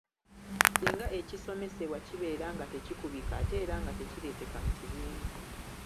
Singa ekisomesebwa kibeera nga tekikubika ate era nga tekireeteka mu kibiina.